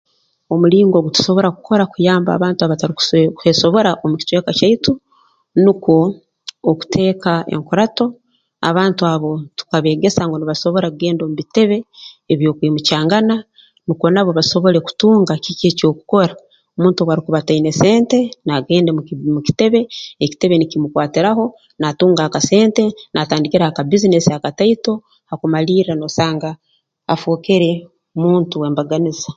Omulingo ogutusobora kukora kuyamba abantu abataruku kwesobora omu kicweka kyaitu nukwo okuteeka enkurato abantu abo tukabeegesa ngu nibasobora kugenda omu bitebe eby'okwimukyangana nukwo nabo basobole kutunga kiki ekyokukora omuntu obu arukuba ataine sente naagenda mu ki mu kitebe ekitebe nikimukwatiraho naatunga akasente naatandikira ha ka bbiizinesi akataito ha kumalirra noosanga afookere muntu w'embaganiza